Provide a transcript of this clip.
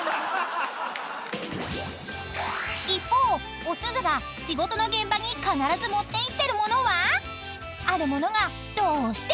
［一方おすずが仕事の現場に必ず持っていってる物は？］